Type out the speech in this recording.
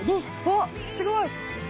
わっすごい。